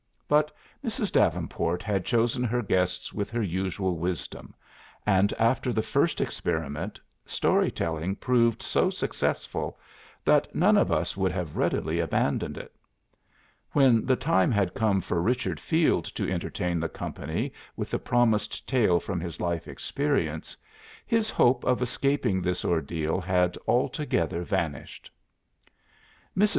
But Mrs. Davenport had chosen her guests with her usual wisdom, and after the first experiment, story telling proved so successful that none of us would have readily abandoned it. When the time had come for Richard Field to entertain the company with the promised tale from his life experience, his hope of escaping this ordeal had altogether vanished. Mrs.